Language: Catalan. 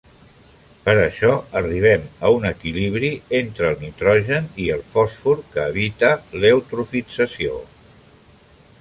Per això arribem a un equilibri entre el nitrogen i el fòsfor que evita l’eutrofització.